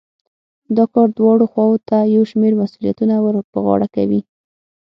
دا کار دواړو خواوو ته يو شمېر مسوليتونه ور په غاړه کوي.